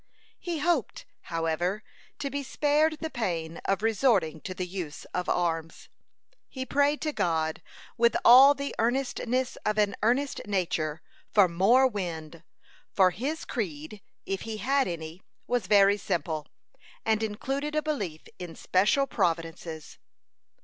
He hoped, however, to be spared the pain of resorting to the use of arms. He prayed to God, with all the earnestness of an earnest nature, for more wind; for his creed, if he had any, was very simple, and included a belief in special providences.